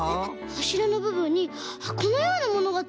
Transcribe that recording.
はしらのぶぶんにはこのようなものがついてるよ？